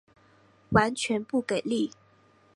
完全不给力